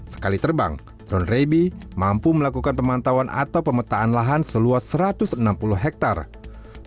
sekali terbang drone rabbie mampu melakukan pemantauan atau pemetaan lahan seluas satu ratus enam puluh hektare